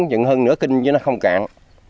nhưng hơn nửa kinh chứ nó không cạn